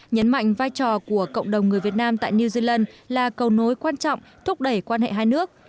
nhấn mạnh vai trò của cộng đồng người việt nam tại new zealand là cầu nối quan trọng thúc đẩy quan hệ hai nước